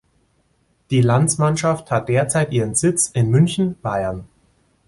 Die Landsmannschaft hat derzeit ihren Sitz in München, Bayern.